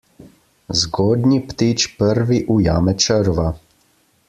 Zgodnji ptič prvi ujame črva.